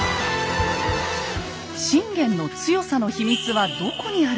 信玄の強さの秘密はどこにあるのか。